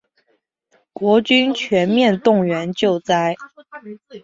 国军全面动员救灾